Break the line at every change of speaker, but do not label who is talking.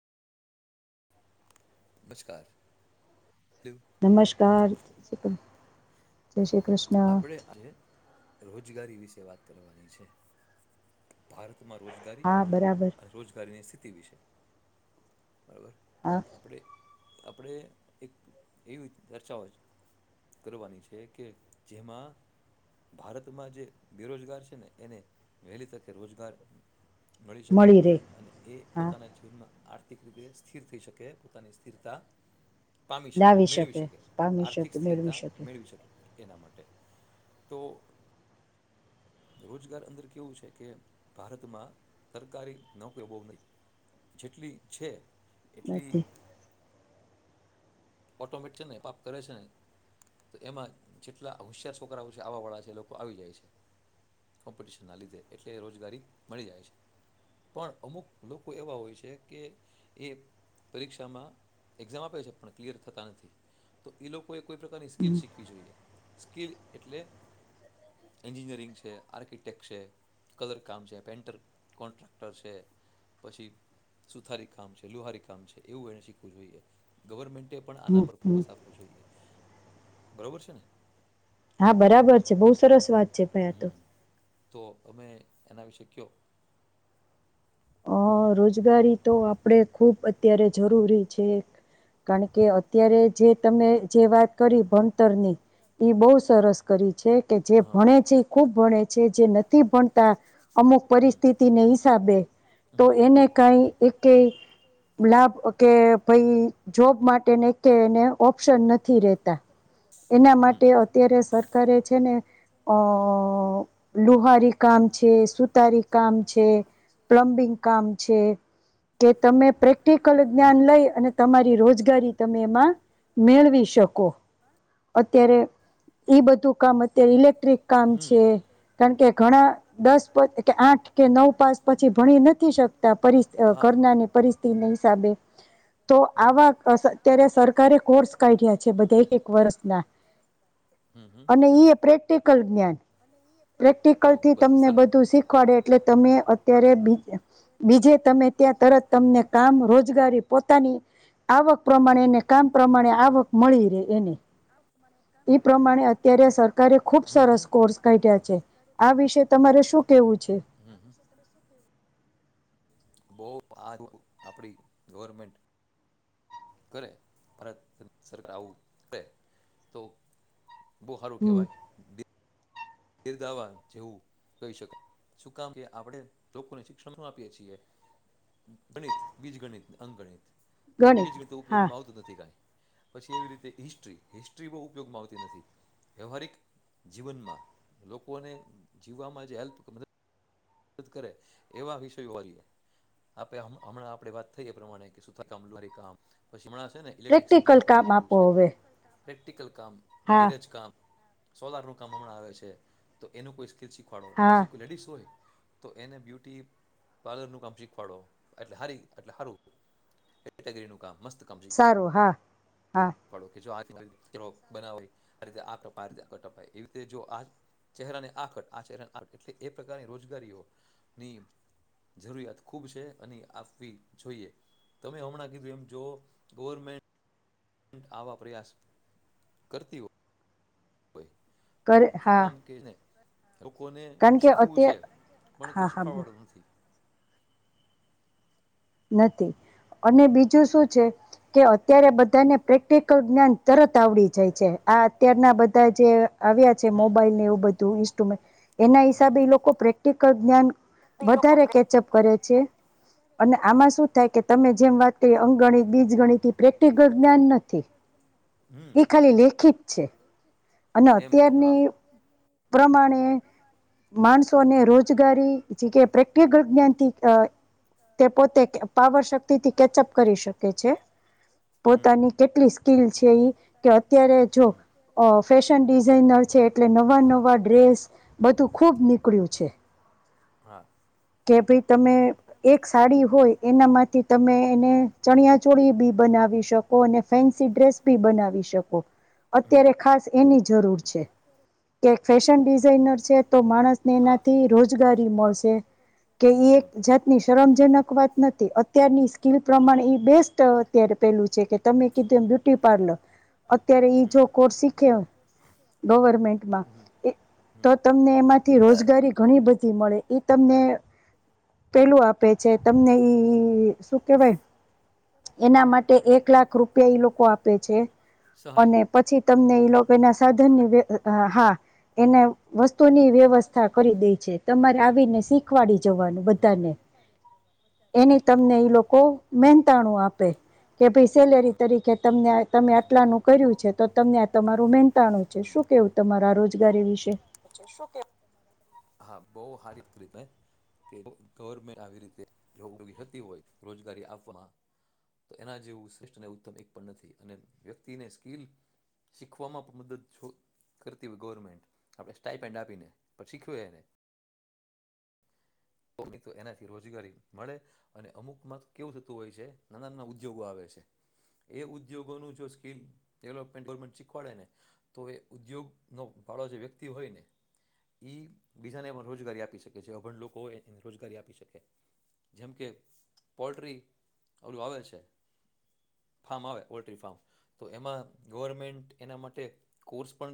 નમસ્કાર.
નમસ્કાર! શ [unintelligible] જે શ્રી ક્રિષ્ન!
રોજગારી વિસે વાત કરવાની છે, ભારત માં રોજગારી અને રોજગારીની સ્થિતિ વિશે
હા.
આપણે એક, એવી ચર્ચાઓ જ કરવાની છે કે જેમાં ભારતમાં જે બેરોજગાર છે ને એને વહેલી તકે રોજગાર મળી શકે અને એ પોતાના જીવનમાં આર્થિક રીતે સ્થિર થઈ શકે, પોતાની સ્થિરતા પામી શકે, મેળવી શકે, આર્થિક સ્થિરતા મેળવી શકે. એના માટે તો, રોજગાર અંદર કેવું છે કે ભારતમાં સરકારી નોકરીઓ બહુ નહીં. જેટલી છે, એટલી ઓર્થોમેટ છે ને પાપ કરે છે ને તો એમાં જેટલા હોશિયાર છોકરાઓ છે, આવવા વાળા છે એ લોકો આવી જાય છે. કોમ્પિટિશનના લીધે, એટલે રોજગારી મળી જાય છે. પણ અમુક લોકો એવા હોય છે, કે એ પરીક્ષામાં એક્ઝામ આપે છે પણ ક્લિયર થતા નથી તો ઈ લોકો એ કોઈ પ્રકારની સ્કીલ શીખવી જોઈએ. સ્કીલ એટલે એન્જિનિયરિંગ છે, આર્કિટેક્ટ છે, કલરકામ છે, પેન્ટર કોન્ટ્રાક્ટર છે, પછી સુથારી કામ છે, લુહારી કામ છે એવું એણે શીખવું જોઈએ ગવર્મેન્ટ પણ આના પર ફોકસ આપવું જોઈએ. બરોબર છે ને.
હા બરાબર છે બઉ સરસ વાત છે ભાઈ તો
તો અમે એના વિશે કયો?
હ રોજગારી તો આપડે ખૂબ અત્યારે જરૂરી છે. કારણ કે અત્યારે. જે તમે જે વાત કરી ભણતરની એ બહુ સરસ. કરી છે. કે જે ભણે છે એ ખુબ ભણે છે જે નથી ભણતા અમુક પરિસ્થિતિને હિસાબે તો એને કઈ એક લાભ કે ભઈ જોબ માટેને કે ઓપ્શન નથી રહેતા એના માટે અત્યારે સરકારે છે ને અ લુહારી કામ છે, સુતારી કામ છે. પ્લમ્બિંગ કામ છે, કે તમે પ્રેક્ટિકલ જ્ઞાન લઈ અને તમારી રોજગારી તમે એમાં. મેળવી શકો અત્યારે. હ. એ બધું કામ અત તે ઇલેક્ટ્રિક કામ છે, કારણ કે ઘણા દસ પ આઠ કે નવ પાસ પછી ભણી નથી શકતા પરિ ઘરનાની પરિસ્થિતિ હિસાબે તો આવા અત્યારે સરકારે કોર્સ કાઢ્યા છે, બધા એક એક વર્ષના અને એ પ્ર પ્રેક્ટિકલ જ્ઞાન. પ્રેક્ટિકલ થી તમને બધું શીખવાડે એટલે તમે અત ત્યારે બી બીજે તમે ત્યાં તરત તમને કામ રોજગારી પોતાની. આ વખ પ્રમાણેને કામ પ્રમાણે આવક મળી રહેે એને, એ પ્રમાણે અત્યારે સરકારે ખુબ સરસ કોર્સ કાઢ્યા છે આ વિશે તમારે શું કેવું છે?
બો અપડી ગવરમેન્ટ. કરે ભારત સરકાર આવું કરે તો. બહ સારું કેવાય. બિરદાવા જેવું કહી શકાય શું કામ કે આપણે લોકોને શિક્ષણ શ આપીએ છીએ ગણિત બીજ ગણિત અગણિત બીજ રીતે ઉપયોગમાં આવતું નથી કઈ. પછી એવી રીતે હિસ્ટ્રી હિસ્ટ્રી બહ ઉપયોગમાં આવતી નથી વ્યવહારિક જીવનમાં. લોકોને જીવવામાં જે હેલ્પ મ મ કરે એવા વિષયો વાએ આપે હમણાં આપે વાત થઈએ પ્રમાણે સુ કામ ક પછી હ. ને ઇલેક્ટ્રિસિટી, નું કામ નીકળ્યું છે. પ્રેક્ટિકલ. કામ, ગિરજ કામ. સોલાર નું કામ હમણાં આવે છે, તો એનું કોઈ. શીખવાડો પછી, કોઈ લેડીસ હોય. તો એને બ્યુટી પાર્લર નું, કામ શીખવાડો એટલે હારી, એટ સારું. એટગ. મસ્ત કમજીી, પડો કે જો આજે. બનાય રીતે આ, આ રીતે આટપાય એવી, રીતે જો આ ચહેરાને, આખટ આ ચરાને આટ એટલે, એ પ્રકારની રોજગારીઓની જરૂરિયાત ખૂબ છે, અને આપવી જોઈએ. તમે હમણાં કીધું, એમ જો ગવર્મેન્ટ. આવા પ્રયાસ કરતી, હોય. શું કામ, કે જને. લોકોને શીખવું છે, પણને કોઈ, શીખવા વાળું નથી.
નથી, અને બીજું શું. કે અત્યારે બધાને પ્રેક્ટિકલ જ્ઞાન તરત આવડી જાય છે, આ અત્યારના બધા જે આવ્યા છે, મોબાઈલને એવું બધું ઇન્સ્ટ્રુમેન્ટ એના, હિસાબે લોકો પ્રેક્ટિકલ જ્ઞાન વધારે કેચઅપ કરે છે. અને આમાં શું થાય કે, તમે જેમ વાત કરી અંગણિત. બીજ ગણિત પ્રેક્ટિકલ જ્ઞાન નથી, એ ખાલી લેખિત છે, અને અત્યારની. પ્રમાણે માણસોને રોજગારી, જે કે પ્રેક્ટિકલ જ્ઞાનથી, તે પોતે પાવર શક્તિ થી, કેચઅપ કરી શકે છે. પોતાની કેટલી સ્કીલ છે, એ કે અત્યારે જો ફેશન ડિઝઇનર છે, એટલે નવા નવા. ડ્રેસ બધું ખુબ નીકળ્યું છે, કે ભાઈ તમે એક સાડી હોય, એનામાંથી તમે એને ચણ્યાો. બી બનાવી શકો, અને ફેન્સી ડ્રેસ બી બનાવી શકો અત્યારે ખાસ એની, જરૂર છે. તે ફેશન ડિઝાઇનર છે, તો માણસને એનાથી રોજગારી મળશે કે એક જાતની શરમજનક વાત નથી, અત્યારની સ્કીલ પ્રમાણે ઈ તો અત્યારે પેલું છે, કે તમે કીધું એમ બ્યુટી પાર્લર અત્યારે ઈ, જો કોર્સ શીખ્યો ગવર્મેન્ટમાં તો તમને એમાંથી રોજગારી ઘણી બધી મળે. ઈ તમને પેલું પે છ, તમને ઈ-ઈ-ઈ શું કેવાય એના માટે એક લાખ રૂપિયા ઈ લોકો આપે છે, અને પછી તમને ઈ લોકો એના સાધન વે અહ હા એના વસ્તુની વ્યવસ્થા કરી દે છે, તમારે આવીને શીખવાડી જવાનું બધાને. એની, તમને ઈ લોકો મહેનતાણું આપે કે ભાઈ સેલેરી તરીકે તમને તમને આટલાનું કર્યું છે, તો તમને આ તમારું મહેનતાણું છે, શું કેવું તમારા રોજ
[unintelligible] શું કે, હા બહું હારી [unintelligible] કે ગર્વમેન્ટ આવી રીતે [unintelligible] હતી હોય રોજગારી આપવામાં, તો એના જેવું શ્રેષ્ઠ ને ઉત્તમ એક પણ નથી. અને વ્યક્તિને સ્કીલ શીખવામાં પણ મદદ જો કરતી હોય ગર્વમેન્ટ આપણે સ્ટાઈઇપન્ડ આપે, પર શીખવે બહું નહીં તો એનાથી રોજગારી મળે અને અમુક મા કેવું થતું હોય છે, નાના-નાના ઉદ્યોગો આવે છે. એ ઉદ્યોગો નો જો સ્કીલ ડેવલપમેન્ટ ગવર્મેન્ટ શીખવાડે ને તો એ ઉદ્યોગ નો ભળો જે વ્યક્તિ હોય ને, ઈ બીજાને પણ રોજગારી આપી શકે છે, અભણ લોકો હોય એ રોજગારી આપી શકે. જેમ કે પોલ્ટ્રી ઓલું આવે છે, ફાર્મ આવે પોલ્ટ્રી ફાર્મ, તો એમાં ગવર્મેન્ટ એના માટે કોર્સ પણ